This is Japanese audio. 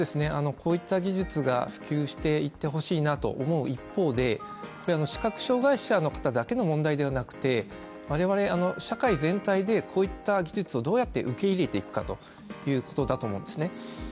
こういった技術が普及していってほしいなと思う一方で、視覚障害者の方だけの問題ではなくて、我々社会全体でこういった技術をどうやって受け入れていくかということだと思うんですね。